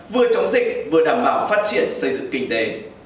vừa chống dịch vừa đảm bảo phát triển xây dựng kinh tế